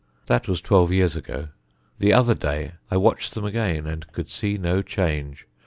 That was twelve years ago. The other day I watched them again and could see no change.